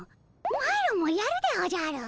マロもやるでおじゃる！